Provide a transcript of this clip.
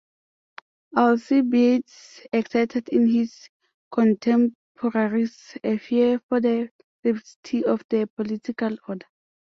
Alcibiades excited in his contemporaries a fear for the safety of the political order.